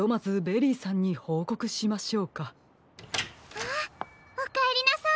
あっおかえりなさい。